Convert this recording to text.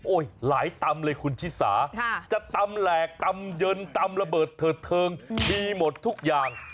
หลายตำเลยคุณชิสาจะตำแหลกตำเย็นตำระเบิดเถิดเทิงมีหมดทุกอย่าง